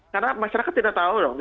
karena masyarakat tidak tahu dong